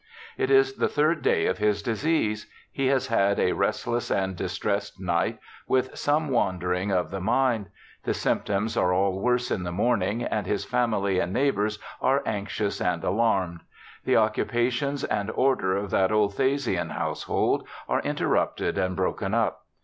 It is the third day of his disease; he has had a restless and distressed night, with some wandering of the mind ; the symptoms are all worse in the morning, and his family and neighbors are anxious and alarmed. The occupa tions and order of that old Thasian household are interrupted and broken up.